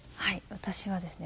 私はですね